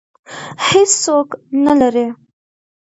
هېڅوک نه لري